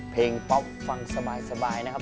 ป๊อปฟังสบายนะครับ